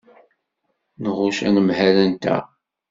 Nɣucc anemhal-nteɣ.